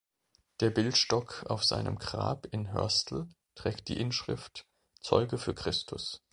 Der Bildstock auf seinem Grab in Hörstel trägt die Inschrift „Zeuge für Christus“.